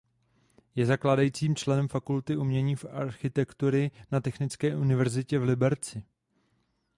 Je zakládajícím členem Fakulty Umění a Architektury na Technické Univerzitě v Liberci.